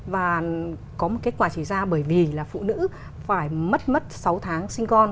và có một kết quả chỉ ra bởi vì là phụ nữ phải mất mất sáu tháng sinh con